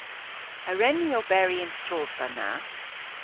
A wren ni oberi y'n sodhva na?